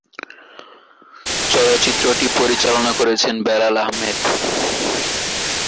চলচ্চিত্রটি পরিচালনা করেছেন বেলাল আহমেদ।